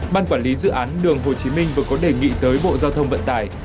ban quản lý dự án đường hồ chí minh vừa có đề nghị tới bộ giao thông vận tải